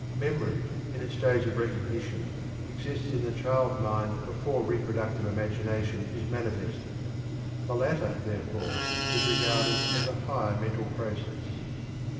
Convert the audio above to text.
Memory, in its stage of recognition, exists in the child mind before reproductive imagination is manifested. The latter, therefore, is regarded as a higher mental process.